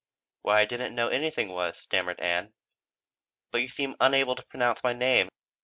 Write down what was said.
"Why I didn't know anything was," stammered Ann. "But you seem unable to pronounce my name."